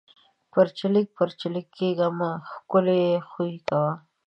پَرچېلک پَرچېلک کېږه مه! ښکلے خوئې کوه۔